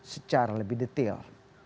secara lebih detail